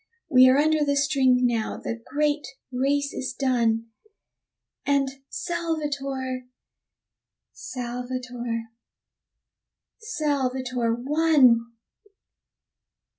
We are under the string now the great race is done, And Salvator, Salvator, Salvator won!